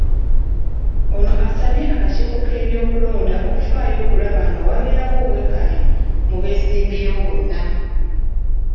Ono asabye akakiiko k'ebyokulonda okufaayo okulaba nga wabeerawo obwenkanya mu beesimbyewo bonna.